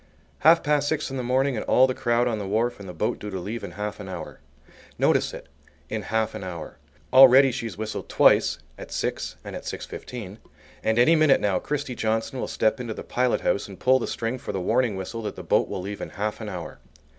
Half past six in the morning, and all the crowd on the wharf and the boat due to leave in half an hour. Notice it! in half an hour. Already she's whistled twice (at six, and at six fifteen), and at any minute now, Christie Johnson will step into the pilot house and pull the string for the warning whistle that the boat will leave in half an hour.